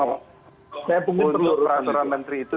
untuk peraturan menteri itu